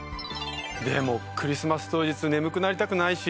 でもクリスマス当日眠くなりたくないし。